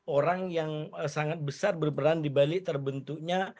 orang yang sangat besar berperan di balik terbentuknya